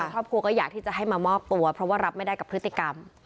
ครอบครัวก็อยากที่จะให้มามอบตัวเพราะว่ารับไม่ได้กับพฤติกรรม